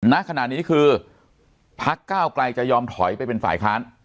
ณขณะนี้คือพักก้าวไกลจะยอมถอยไปเป็นฝ่ายค้าน